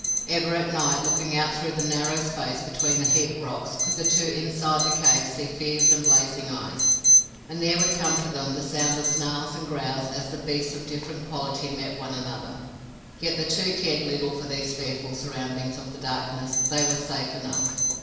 Ever, at night, looking out through the narrow space between the heaped rocks, could the two inside the cave see fierce and blazing eyes and there would come to them the sound of snarls and growls as the beasts of different quality met one another. Yet the two cared little for these fearful surroundings of the darkness. They were safe enough.